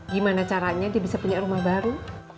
gimana caranya dia bisa punya rumah baru